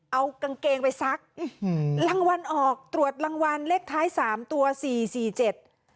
เอากางเกงไปซักอืมรางวัลออกตรวจรางวัลเลขท้ายสามตัวสี่สี่เจ็ด